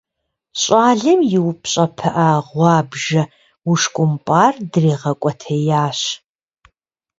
Щӏалэм и упщӀэ пыӀэ гъуабжэ ушкӀумпӀар дригъэкӀуэтеящ.